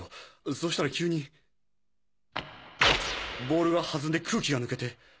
そしたら急にボールが弾んで空気が抜けて。